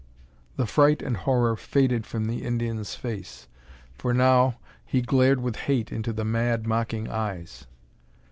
The fright and horror faded from the Indian's face, for now he glared with hate into the mad, mocking eyes.